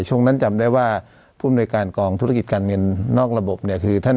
ช่วงนั้นจำได้ว่าผู้อำนวยการกองธุรกิจการเงินนอกระบบเนี่ยคือท่าน